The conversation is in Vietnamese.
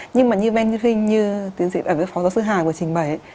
nhưng mà như men vi sinh như tiến diện ở với phó giáo sư hà vừa trình bày